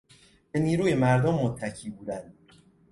به نیروی مردم متکی بودن